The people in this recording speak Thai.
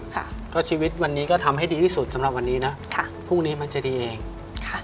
ค่ะก็ชีวิตวันนี้ก็ทำให้ดีที่สุดสำหรับวันนี้นะค่ะพรุ่งนี้มันจะดีเองค่ะ